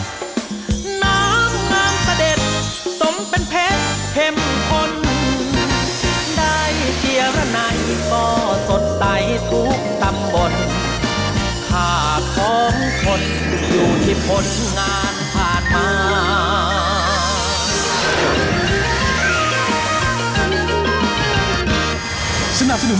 น้ำงามสะเด็ดสมเป็นเพชรเข็มขน